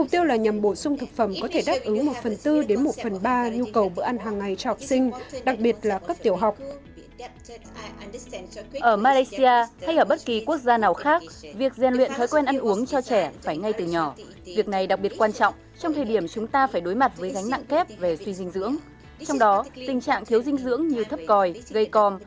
trong đó tình trạng thiếu dinh dưỡng như thấp còi gây còm